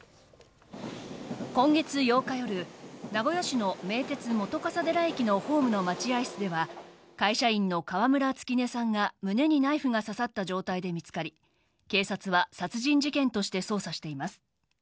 今月８日夜、名古屋市の名鉄本笠寺駅のホームの待合室では、会社員の川村月音さんが胸にナイフが刺さった状態で見つかり、警察は殺人事件として捜査しています。